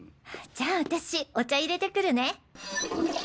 じゃあ私お茶いれてくるね。